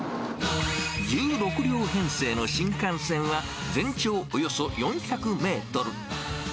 １６両編成の新幹線は、全長およそ４００メートル。